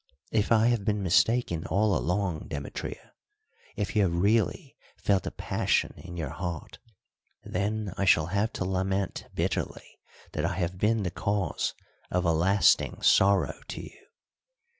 If I have been mistaken all along, Demetria, if you have really felt a passion in your heart, then I shall have to lament bitterly that I have been the cause of a lasting sorrow to you.